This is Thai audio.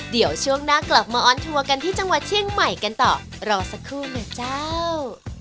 เดี๋ยวช่วงหน้ากลับมาออนทัวร์กันที่จังหวัดเชียงใหม่กันต่อรอสักครู่นะเจ้า